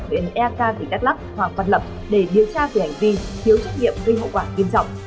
đến ek tỉnh đắk lắk hoặc văn lập để điều tra về hành vi thiếu trách nhiệm gây hậu quả kiên trọng